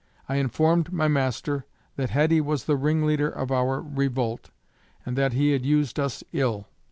I informed my master that Heddy was the ringleader of our revolt, and that he had used us ill.